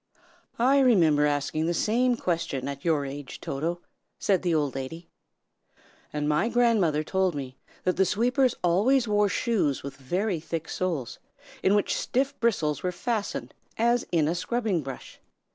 "I remember asking the same question at your age, Toto," said the old lady, "and my grandmother told me that the sweepers always wore shoes with very thick soles, in which stiff bristles were fastened as in a scrubbing brush.